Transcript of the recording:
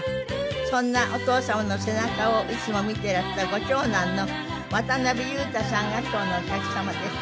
そんなお父様の背中をいつも見ていらしたご長男の渡辺裕太さんが今日のお客様です。